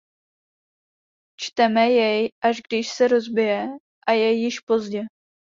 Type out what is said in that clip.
Čteme jej, až když se rozbije a je již pozdě.